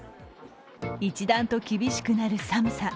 一段と厳しくなる寒さ。